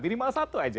ini malah satu aja